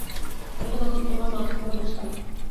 আমি তোমার মাকে ভালোবাসতাম।